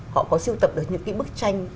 họ có siêu tập được những cái bức tranh